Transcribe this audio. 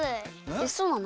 えそうなの？